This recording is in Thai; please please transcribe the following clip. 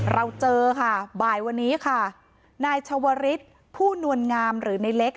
เราเจอค่ะบ่ายวันนี้ค่ะนายชาวริสผู้นวลงามหรือในเล็ก